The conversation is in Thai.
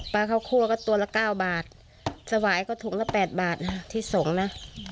ข้าวคั่วก็ตัวละ๙บาทสวายก็ถุงละ๘บาทนะที่ส่งนะ